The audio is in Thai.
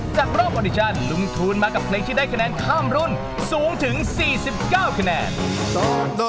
จากรอบออดิชันลุงทูลมากับเพลงที่ได้คะแนนข้ามรุ่นสูงถึง๔๙คะแนน